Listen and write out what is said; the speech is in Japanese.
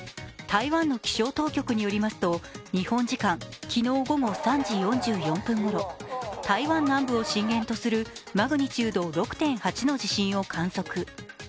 台湾の気象当局によりますと、日本時間昨日午後３時４４分ごろ台湾南部を震源とするマグニチュード６．８の地震を観測。